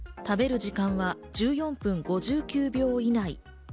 食べる時間は１４分５９秒以内。